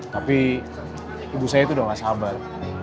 tapi ibu saya itu udah gak sabar